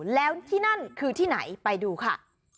แล้วที่นั่นคือที่ไหนไปดูค่ะ